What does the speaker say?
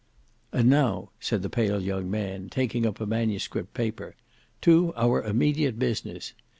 "And now," said the pale young man, taking up a manuscript paper, "to our immediate business.